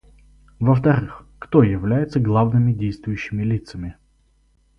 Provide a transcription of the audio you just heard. Во-вторых, кто является главными действующими лицами?